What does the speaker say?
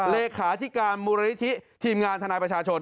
เลขาธิการมูลนิธิทีมงานทนายประชาชน